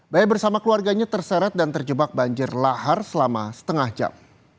bayi bersama keluarganya terseret dan terjebak banjir lahar selama setengah jam